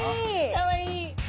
かわいい。